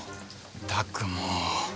ったくもう。